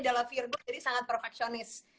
adalah fear gue jadi sangat perfectionist